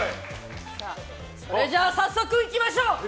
それじゃあ早速いきましょう！